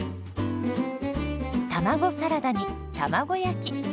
卵サラダに卵焼き。